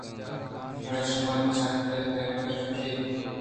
اڑے شما چٹ اِتکافءَ گوٛشت